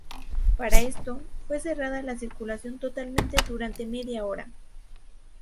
Para esto, fue cerrada la circulación totalmente durante media hora.